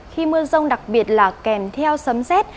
khi mưa rông đặc biệt là kèm theo sấm xét